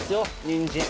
にんじん。